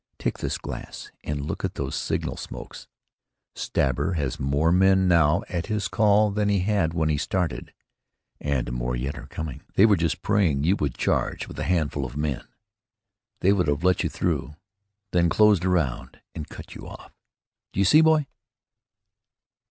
"Take this glass and look at those signal smokes Stabber has more men now at his call than he had when he started, and more yet are coming. They were just praying you would charge with a handful of men. They would have let you through, then closed around and cut you off. Do you see, boy?"